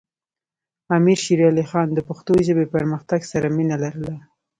امیر شیر علی خان د پښتو ژبې پرمختګ سره مینه لرله.